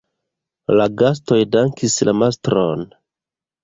La gastoj dankis la mastron.